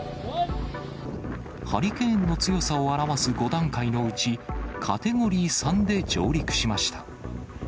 ハリケーンの強さを表す５段階のうち、カテゴリー３で上陸しました。